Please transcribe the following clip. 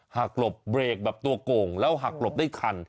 หลบเบรกแบบตัวโก่งแล้วหักหลบได้ทัน